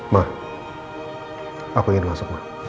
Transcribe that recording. ma aku ingin masuk ma